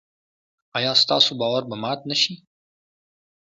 ایا ستاسو باور به مات نشي؟